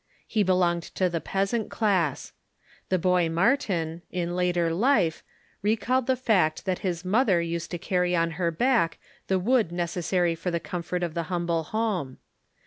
He belonged to the peasant class. The boy Martin, in later life, recalled the fact that his mother used to carry on her back the wood necessary for the comfort of the humble home.